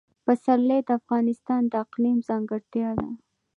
پسرلی د افغانستان د اقلیم ځانګړتیا ده.